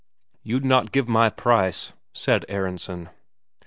"You'd not give my price," said Aronsen.